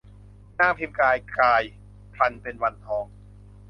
นางพิมพ์กลายกายพลันเป็นวันทอง